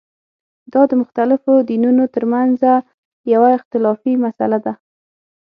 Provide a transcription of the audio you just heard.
دا د مختلفو دینونو ترمنځه یوه اختلافي مسله ده.